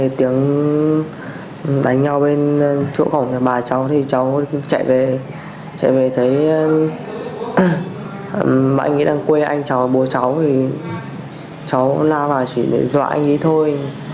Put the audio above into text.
chạy về thấy bà anh ấy đang quê anh cháu bố cháu thì cháu la vào chỉ để dọa anh ấy thôi